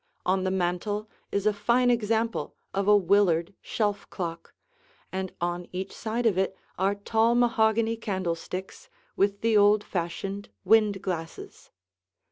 On the mantel is a fine example of a Willard shelf clock, and on each side of it are tall mahogany candlesticks with the old fashioned wind glasses.